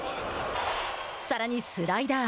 さらにスライダー。